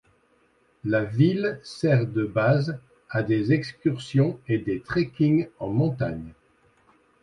La ville sert de base à des excursions et des trekkings en montagne.